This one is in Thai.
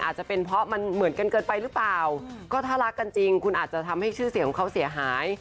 อาจจะเป็นเพราะมันเหมือนกันเกินไปหรือเปล่าก็ถ้ารักกันจริงคุณอาจจะทำให้ชื่อเสียงของเขาเสียหาย